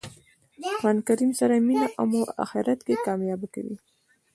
قران کریم سره مینه مو آخرت کښي کامیابه کوي.